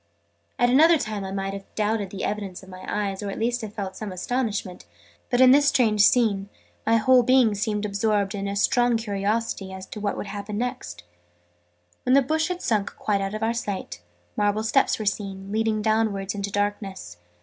At another time I might have doubted the evidence of my eyes, or at least have felt some astonishment: but, in this strange scene, my whole being seemed absorbed in strong curiosity as to what would happen next. When the bush had sunk quite out of our sight, marble steps were seen, leading downwards into darkness.